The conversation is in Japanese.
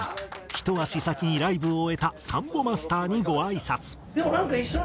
ひと足先にライブを終えたサンボマスターにごあいさつ。